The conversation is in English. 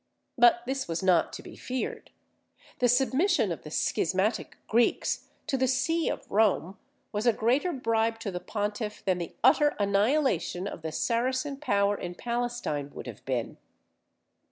But this was not to be feared. The submission of the schismatic Greeks to the See of Rome was a greater bribe to the Pontiff than the utter annihilation of the Saracen power in Palestine would have been.